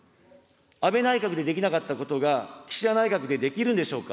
安倍内閣でできなかったことが、岸田内閣でできるんでしょうか。